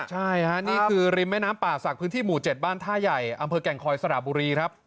ใช่ค่ะนี่คือริมแม่น้ำป่าศักดิ์พื้นที่หมู่๗บ้านท่าใหญ่อำเภอแก่งคอยสระบุรีครับ